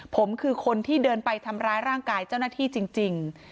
ผมคือคนที่เดินไปทำร้ายร่างกายเจ้าหน้าที่จริง